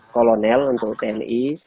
kolonel untuk tni